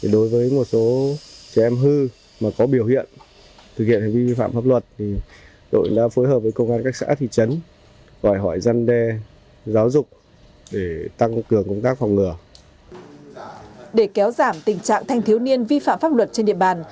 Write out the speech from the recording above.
để kéo giảm tình trạng thanh thiếu niên vi phạm pháp luật trên địa bàn